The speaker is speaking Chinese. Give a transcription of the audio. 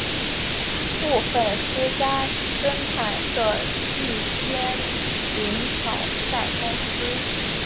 部份私家侦探社亦兼营讨债公司。